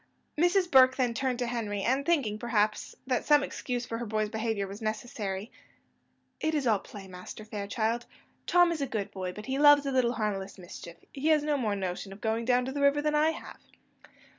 ] Mrs. Burke then turned to Henry; and thinking, perhaps, that some excuse for her boy's behaviour was necessary, she said: "It is all play, Master Fairchild. Tom is a good boy, but he loves a little harmless mischief; he has no more notion of going down to the river than I have."